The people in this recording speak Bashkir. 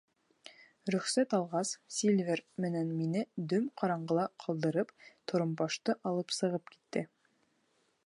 Рөхсәт алғас, Сильвер менән мине дөм ҡараңғыла ҡалдырып, торомбашты алып сығып китте.